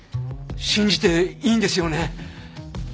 信じていいんですよね？